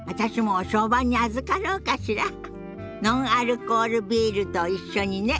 ノンアルコールビールと一緒にね。